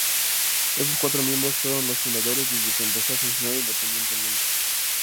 Estos cuatro miembros fueron los fundadores desde que empezó a funcionar independientemente.